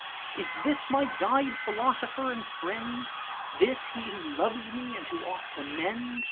Is this my Guide, Philosopher, and Friend? This he who loves me, and who ought to mend?